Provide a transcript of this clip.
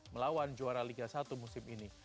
melawan juara liga satu musim ini